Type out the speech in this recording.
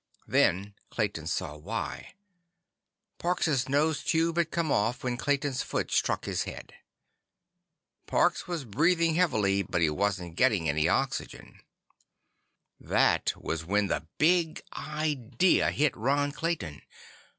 Then Clayton saw why. Parks' nose tube had come off when Clayton's foot struck his head. Parks was breathing heavily, but he wasn't getting any oxygen. That was when the Big Idea hit Ron Clayton.